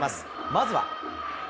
まずは。